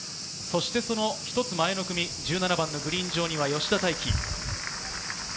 その一つ前の組、１７番のグリーン上には吉田泰基。